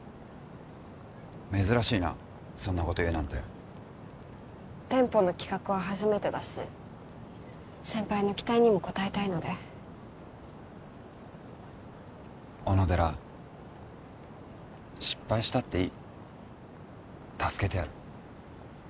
珍しいなそんなこと言うなんて店舗の企画は初めてだし先輩の期待にも応えたいので小野寺失敗したっていい助けてやる